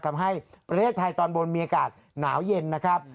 ทำให้ประเทศไทยตอนบนมีอากาศหนาวเย็นนะครับ